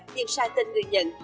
nhưng sai tên người nhận